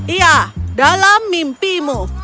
iya dalam mimpimu